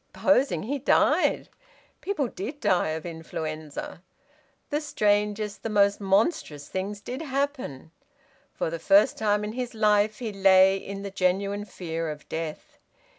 Supposing he died? People did die of influenza. The strangest, the most monstrous things did happen. For the first time in his life he lay in the genuine fear of death.